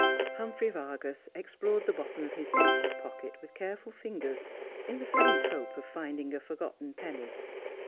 Humphrey Vargas explored the bottom of his breeches pockets with careful fingers, in the faint hope of finding a forgotten penny.